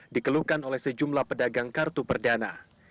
dikeluhkan oleh sejumlah pedagang kartu perdana